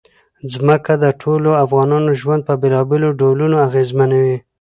ځمکه د ټولو افغانانو ژوند په بېلابېلو ډولونو اغېزمنوي.